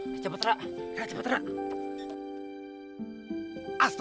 kamu di péteresan atau ke stanie planca